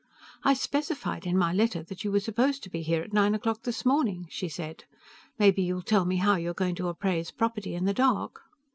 "I specified in my letter that you were supposed to be here at nine o'clock this morning!" she said. "Maybe you'll tell me how you're going to appraise property in the dark!"